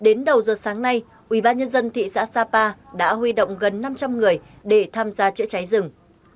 đến đầu giờ sáng nay ubnd thị xã sapa đã huy động gần năm trăm linh người để tham gia chữa cháy rừng